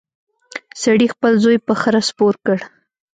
سړي خپل زوی په خره سپور کړ.